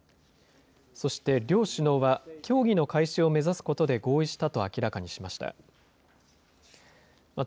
そして両首脳は、協議の開始を目指すことで合意したと明らかにしました。